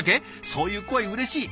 そういう声うれしい。